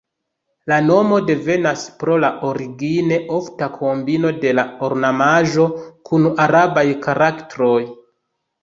La nomo devenas pro la origine ofta kombino de la ornamaĵo kun arabaj karaktroj.